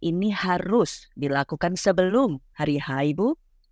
ini harus dilakukan sebelum hari haibu